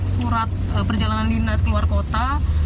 surat perjalanan dinas ke luar kota